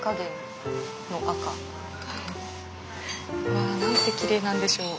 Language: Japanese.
うわなんてきれいなんでしょう。